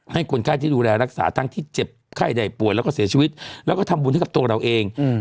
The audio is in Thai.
คนไข้ที่ดูแลรักษาทั้งที่เจ็บไข้ได้ป่วยแล้วก็เสียชีวิตแล้วก็ทำบุญให้กับตัวเราเอง